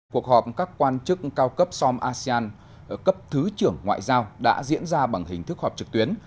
cuộc họp các quan chức cao cấp som asean cấp thứ trưởng ngoại giao đã diễn ra bằng hình thức họp trực tuyến